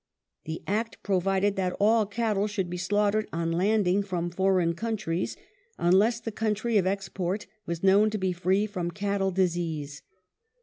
The Act provided that all cattle should be slaughtered on landing from foreign countries, unless the country of export were known to be free from cattle disease.